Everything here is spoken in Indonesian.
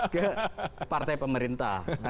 ke partai pemerintah